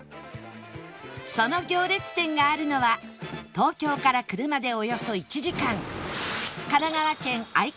その行列店があるのは東京から車でおよそ１時間